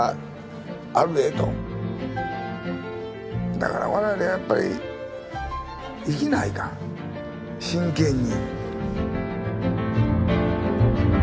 だから我々はやっぱり生きないかん真剣に。